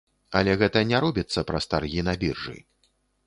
Але гэта не робіцца праз таргі на біржы.